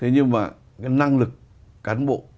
cái năng lực cán bộ